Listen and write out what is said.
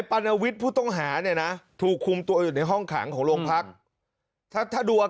ก็เรียกร้องให้ตำรวจดำเนอคดีให้ถึงที่สุดนะ